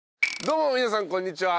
どうも皆さんこんにちは。